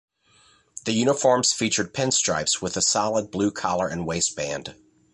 The uniforms featured pinstripes with a solid blue collar and waistband.